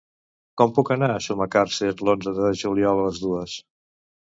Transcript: Com puc anar a Sumacàrcer l'onze de juliol a les dues?